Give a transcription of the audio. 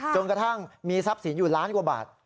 กระทั่งมีทรัพย์สินอยู่ล้านกว่าบาท